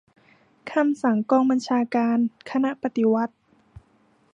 คำสั่งกองบัญชาการคณะปฏิวัติ